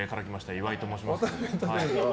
岩井と申します。